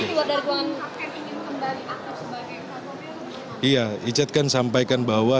iya richard kan sampaikan bahwa